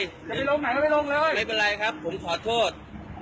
จะไปลงไหมจะไปลงเลยไม่เป็นไรครับผมขอโทษ